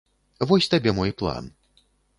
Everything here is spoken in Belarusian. Вось табе мой план.